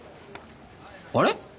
あれ？